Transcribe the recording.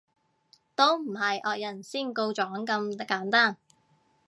都唔係惡人先告狀咁簡單